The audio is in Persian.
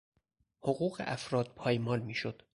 حقوق افراد پایمال میشد.